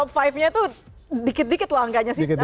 top five nya tuh dikit dikit loh angkanya sih apa ininya